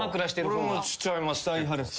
俺もしちゃいます。